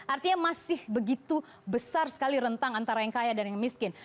artinya masih begitu besar sekali rentang antara yang kaya dan yang miskin